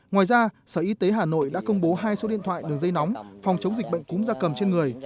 ngoài ra sở y tế hà nội đã công bố hai số điện thoại đường dây nóng phòng chống dịch bệnh cúm da cầm trên người